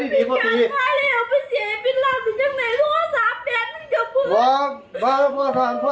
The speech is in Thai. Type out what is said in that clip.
มีอะไรหนึ่งมีอะไรผิดมากนี่คะน่ะ